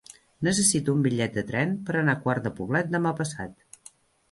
Necessito un bitllet de tren per anar a Quart de Poblet demà passat.